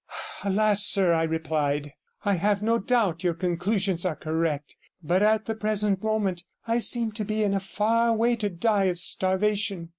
'Alas! sir,' I replied, 'I have no doubt your conclusions are correct, but at the present moment I seem to be in a fair way to die of starvation.